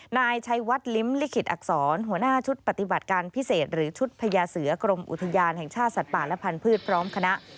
นายชัยวัดลิ้มลิขิตอักษรหัวหน้าชุดปฏิบัติการพิเศษหรือชุดพญาเสือกรมอุทยานแห่งชาติสัตว์ป่าและพันธุ์พร้อมคณะ